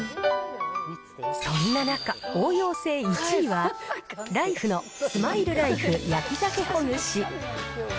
そんな中、応用性１位は、ライフのスマイルライフ焼鮭ほぐし。